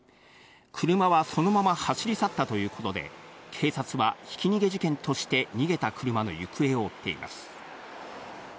車はそのまま走り去ったということで警察はひき逃げ事件として逃げた車の行方を追っています。